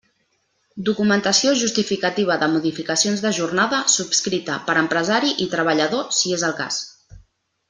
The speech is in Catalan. Documentació justificativa de modificacions de jornada, subscrita per empresari i treballador, si és el cas.